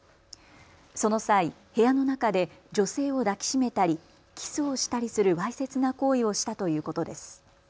その際、部屋の中で女性を抱き締めたりキスをしたりするわいせつな行為をしたということです。